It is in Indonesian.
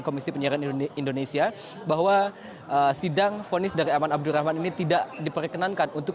komisi penyiaran indonesia bahwa sidang fonis dari aman abdurrahman ini tidak diperkenankan untuk